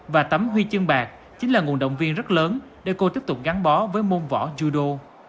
và tấm huy chương bạc chính là nguồn động viên rất lớn để cô tiếp tục gắn bó với môn võ chú đô